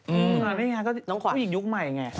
อืมผู้หญิงยุคใหม่ไง